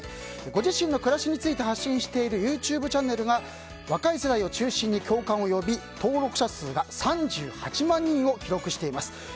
ご自身の暮らしについて発信しているＹｏｕＴｕｂｅチャンネルが若い世代を中心に共感を呼び登録者数が３８万人を記録しています。